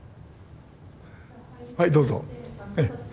はいどうぞ。